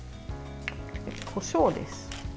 こしょうです。